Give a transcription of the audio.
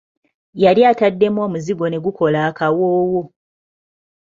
Yali ataddemu omuzigo ne gukola akawoowo.